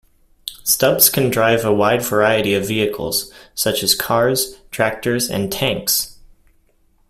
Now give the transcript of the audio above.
Stubbs can drive a wide variety of vehicles, such as cars, tractors and tanks.